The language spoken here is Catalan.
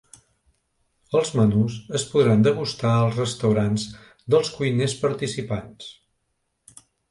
Els menús es podran degustar als restaurants dels cuiners participants.